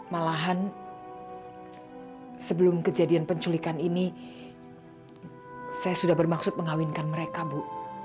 malahan sebelum kejadian penculikan ini saya sudah bermaksud mengawinkan mereka bu